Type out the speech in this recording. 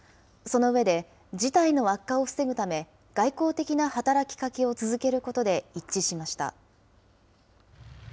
その上で、事態の悪化を防ぐため、外交的な働きかけを続けることで一致しました。